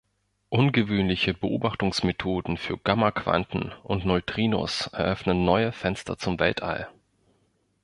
Ungewöhnliche Beobachtungsmethoden für Gammaquanten und Neutrinos eröffnen neue Fenster zum Weltall.